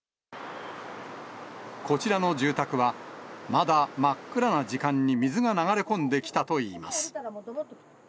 こちらの住宅は、まだ真っ暗な時間に水が流れ込んできたといいます。